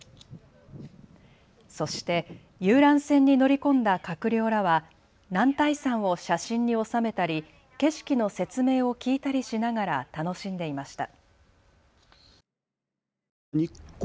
そして遊覧船に乗り込んだ閣僚らは男体山を写真に収めたり景色の説明を聞いたりしながら楽しんでいました。